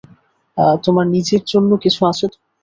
তোমার নিজের জন্য কিছু আছে তো?